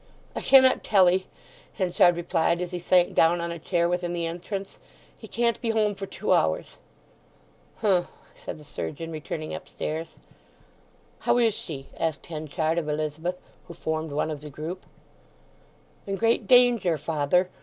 I cannot tell 'ee!" Henchard replied as he sank down on a chair within the entrance. "He can't be home for two hours." "H'm," said the surgeon, returning upstairs. "How is she?" asked Henchard of Elizabeth, who formed one of the group. "In great danger, father.